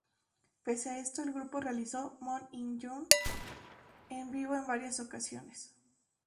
Pese a esto, el grupo realizó "Moon In June" en vivo en varias ocasiones.